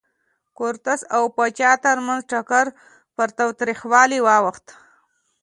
د کورتس او پاچا ترمنځ ټکر پر تاوتریخوالي واوښت.